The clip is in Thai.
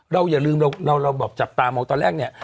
อย่าลืมเราแบบจับตามองตอนแรกเนี่ย